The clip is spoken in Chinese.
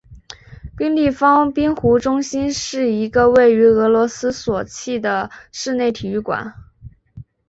冰立方冰壶中心是一个位于俄罗斯索契的室内体育馆。